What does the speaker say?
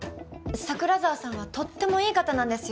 桜沢さんはとってもいい方なんですよ